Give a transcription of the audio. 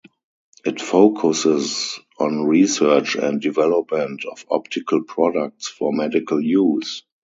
It focuses on research and development of optical products for medical use.